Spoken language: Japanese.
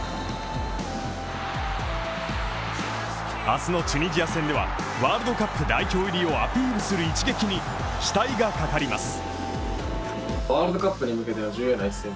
明日のチュニジア戦ではワールドカップ代表入りをアピールする一撃に期待がかかります。